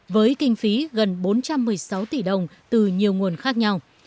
với kinh phí gần bốn trăm một mươi sáu tỷ đồng từ nhiều nguồn khác nhau